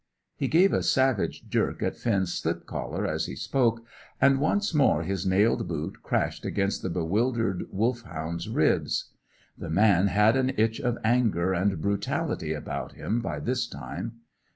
He gave a savage jerk at Finn's slip collar as he spoke, and once more his nailed boot crashed against the bewildered Wolfhound's ribs. The man had an itch of anger and brutality upon him by this time.